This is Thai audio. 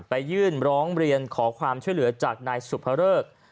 ไปยื่นร้องเรียนขอความช่วยเหลือจากนายสุภเริก